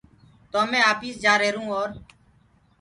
تو مي آپيس جآهرون اور